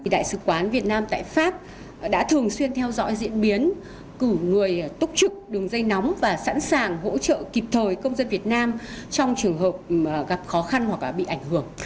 đại sứ quán việt nam tại pháp đã thường xuyên theo dõi diễn biến cử người túc trực đường dây nóng và sẵn sàng hỗ trợ kịp thời công dân việt nam trong trường hợp gặp khó khăn hoặc bị ảnh hưởng